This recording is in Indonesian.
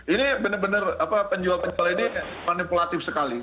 ini benar benar penjual penjual ini manipulatif sekali